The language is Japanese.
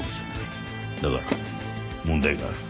だが問題がある。